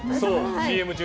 ＣＭ中に。